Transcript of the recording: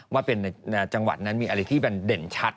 ว่าเป็นในจังหวัดนั้นมีอะไรที่มันเด่นชัด